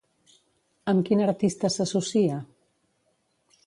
Amb quin artista s'associa?